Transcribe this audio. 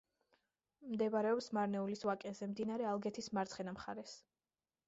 მდებარეობს მარნეულის ვაკეზე, მდინარე ალგეთის მარცხენა მხარეს.